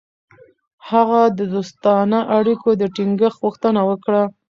هغه د دوستانه اړیکو د ټینګښت غوښتنه وکړه.